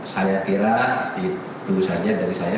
saya kira itu saja dari saya